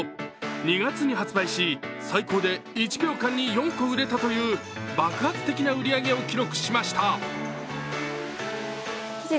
２月に発売し、最高で１秒間に４個売れたという爆発的な売り上げを記録しました。